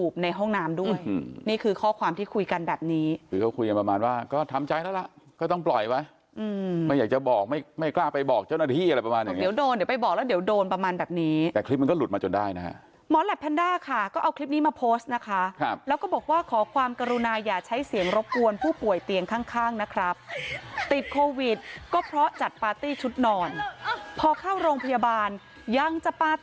ก็ต้องปล่อยไว้อืมไม่อยากจะบอกไม่ไม่กล้าไปบอกเจ้าหน้าที่อะไรประมาณอย่างงี้เดี๋ยวโดนเดี๋ยวไปบอกแล้วเดี๋ยวโดนประมาณแบบนี้แต่คลิปมันก็หลุดมาจนได้นะฮะหมอแหลปแพนด้าค่ะก็เอาคลิปนี้มาโพสต์นะคะครับแล้วก็บอกว่าขอความกรุณาอย่าใช้เสียงรบกวนผู้ป่วยเตียงข้างข้างนะครับติดโควิดก็เพราะจัดป